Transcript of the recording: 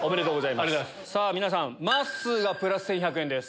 さぁ皆さんまっすーがプラス１１００円です。